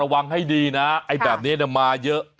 หวังให้ดีนะไอ้แบบนี้มาเยอะ